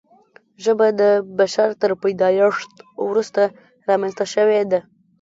ژبه د بشر تر پیدایښت وروسته رامنځته شوې ده.